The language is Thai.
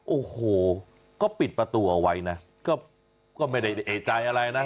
โอ้โหก็ปิดประตูเอาไว้นะก็ไม่ได้เอกใจอะไรนะ